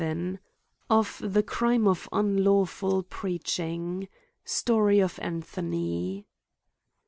VII, (If the crime of unlawful preaeking. Story of Jiu thony.